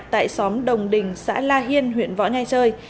tại xóm đồng đình xã la hiên huyện võ nhai chơi